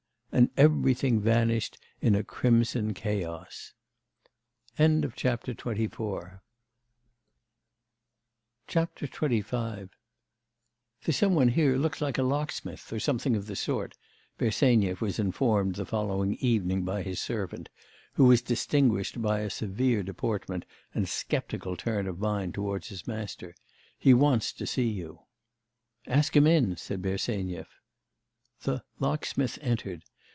And everything vanished in a crimson chaos. XXV 'There's some one here looks like a locksmith or something of the sort,' Bersenyev was informed the following evening by his servant, who was distinguished by a severe deportment and sceptical turn of mind towards his master; 'he wants to see you.' 'Ask him in,' said Bersenyev. The 'locksmith' entered.